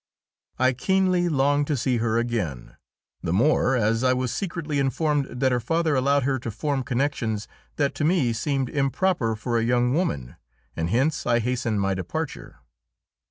I keenly longed to see her again, the more as I was secretly informed that her father allowed her to form connections that to me seemed improper for a young woman, and hence I hastened my departure.